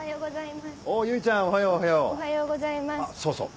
あっそうそう